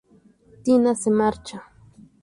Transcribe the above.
Tina se marcha.